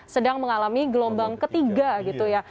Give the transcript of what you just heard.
sedang mengalami gelombang ketiga